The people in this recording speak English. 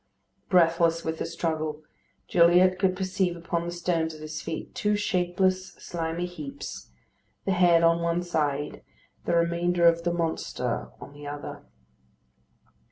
Breathless with the struggle, Gilliatt could perceive upon the stones at his feet two shapeless, slimy heaps, the head on one side, the remainder of the monster on the other.